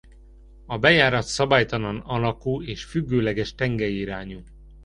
A bejárat szabálytalan alakú és függőleges tengelyirányú.